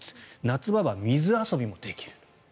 夏場は水遊びもできる。